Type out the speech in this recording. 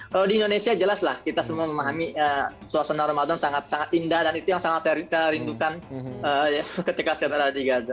kalau di indonesia jelas lah kita semua memahami suasana ramadan sangat sangat indah dan itu yang sangat saya rindukan ketika saya berada di gaza